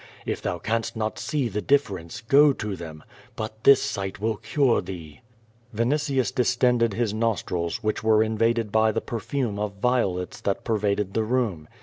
If thou canst not see the difference, go to them. But this sight will cure thee.'' Vinitius distended his nostrils, which were invaded by the perfume of violets that pervaded the room.